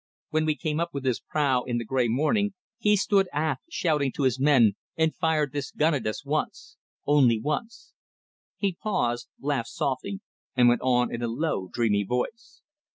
When we came up with his prau in the grey morning, he stood aft shouting to his men and fired this gun at us once. Only once!" ... He paused, laughed softly, and went on in a low, dreamy voice.